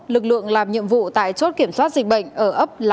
lực lượng làm nhiệm vụ tại chốt kiểm soát dịch bệnh ở ấp lá